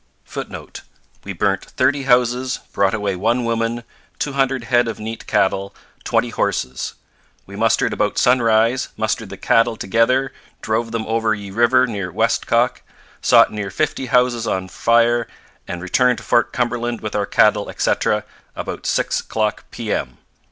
[Footnote: We Burnt 30 Houses Brought away one Woman 200 Hed of Neat Cattle 20 Horses ... we mustered about Sunrise mustered the Cattle Togather Drove them over ye River near westcock Sot Near 50 Houses on Fyre and Returned to Fort Cumberland with our Cattle etc. about 6 Clock P.M.'